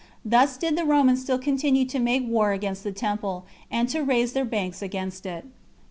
Thus did the Romans still continue to make war against the temple, and to raise their banks against it.